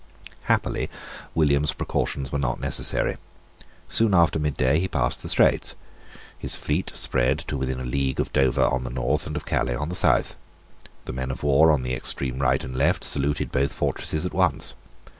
Happily William's precautions were not necessary. Soon after midday he passed the Straits. His fleet spread to within a league of Dover on the north and of Calais on the south. The men of war on the extreme right and left saluted both fortresses at once.